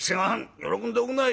喜んでおくんなさい。